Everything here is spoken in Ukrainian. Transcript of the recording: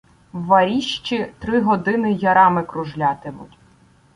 варіщі" три години ярами кружлятимуть.